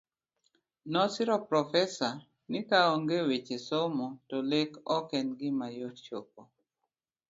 Nosiro Profesa ni ka onge tweche somo to lek ok en gima yot chopo